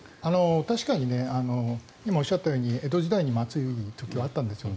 確かに今おっしゃったように江戸時代にも暑い時はあったんですよ。